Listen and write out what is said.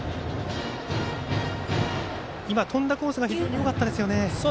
飛んだコースが非常によかったですよね。